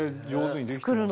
作るの。